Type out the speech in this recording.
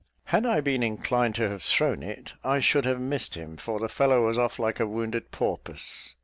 Had I been inclined to have thrown it, I should have missed him, for the fellow was off like a wounded porpoise.